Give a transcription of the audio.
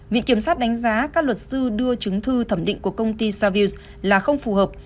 vị kiểm soát đánh giá các luật sư đưa chứng thư thẩm định của công ty savius là không phù hợp